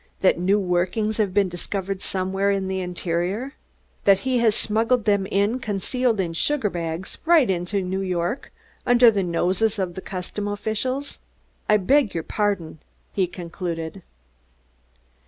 That new workings have been discovered somewhere in the interior? That he has smuggled them in concealed in the sugar bags, right into New York, under the noses of the customs officials? I beg your pardon," he concluded.